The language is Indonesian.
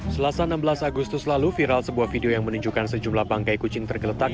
selasa enam belas agustus lalu viral sebuah video yang menunjukkan sejumlah bangkai kucing tergeletak